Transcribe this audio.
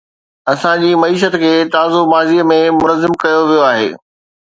اسان جي معيشت کي تازو ماضي ۾ منظم ڪيو ويو آهي.